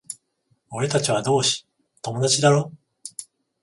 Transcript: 俺たちは同志、友達だろ？